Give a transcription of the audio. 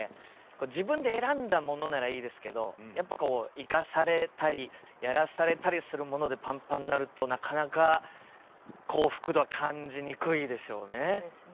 自分で選んだものならいいですけど、行かされたりやらされたりするものでパンパンになると、なかなか幸福度、感じにくいでしょうね。